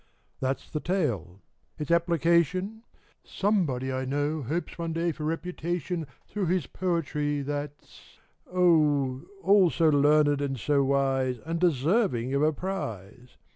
That's the tale : its application ? Somebody 1 know Hopes one day for reputation Through his poetry that's — Oh, All so learned and so wise And deserving of a prize